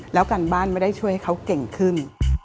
แล้วการบ้านไม่ได้ช่วยให้เขาเก่งขึ้น